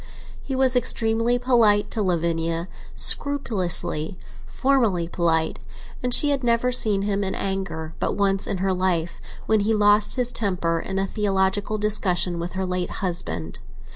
He was extremely polite to Lavinia, scrupulously, formally polite; and she had never seen him in anger but once in her life, when he lost his temper in a theological discussion with her late husband.